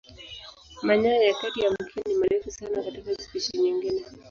Manyoya ya kati ya mkia ni marefu sana katika spishi nyingine.